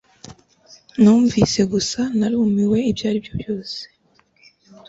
Numvise gusa narumiwe Ibyo aribyo byose